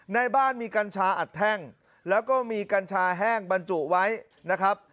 ในบ้านมีกัญชาอัดแท่งแล้วก็มีกัญชาแห้งบรรจุไว้นะครับ